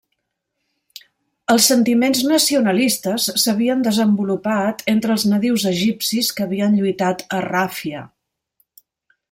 Els sentiments nacionalistes s'havien desenvolupat entre els nadius egipcis que havien lluitat a Ràfia.